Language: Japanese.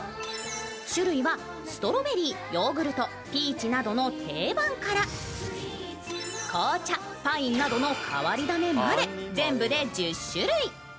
種類はストロベリー、ヨーグルト、ピーチなどの定番から紅茶、パインなどの変わり種まで、全部で１０種類。